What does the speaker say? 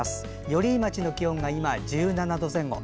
寄居町の気温が今、１７度前後。